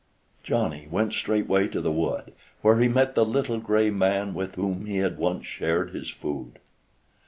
Johnny went straightway to the wood, where he met the little gray man with whom he had once shared his food.